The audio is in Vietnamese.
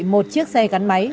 một chiếc xe gắn máy